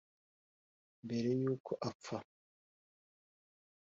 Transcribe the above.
Mbere yuko apfa